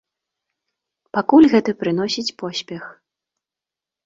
Пакуль гэта прыносіць поспех.